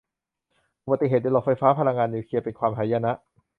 อุบัติเหตุในโรงไฟฟ้าพลังงานนิวเคลียร์เป็นความหายนะ